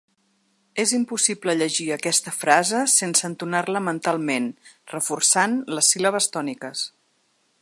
És impossible llegir aquesta frase sense entonar-la mentalment, reforçant les síl·labes tòniques.